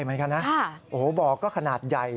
เหมือนกันนะโอ้โหบ่อก็ขนาดใหญ่